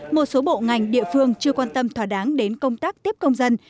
một số bộ ngành địa phương chưa quan tâm thỏa đáng đến công tác tiếp công dân